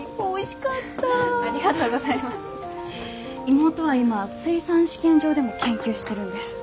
妹は今水産試験場でも研究してるんです。